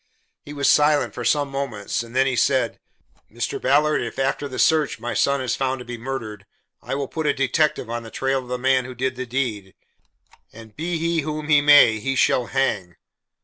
He was silent for some moments, then he said: "Mr. Ballard, if, after the search, my son is found to be murdered, I will put a detective on the trail of the man who did the deed, and be he whom he may, he shall hang."